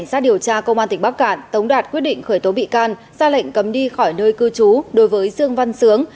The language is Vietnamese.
hoàng tỉnh bắc cạn tống đạt quyết định khởi tố bị can ra lệnh cấm đi khỏi nơi cư trú đối với dương văn sướng